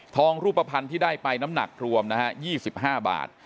ทองรูปพันธุ์ที่ได้ไปน้ำหนักรวม๒๕บาท